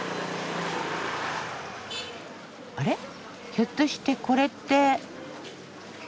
ひょっとしてこれって。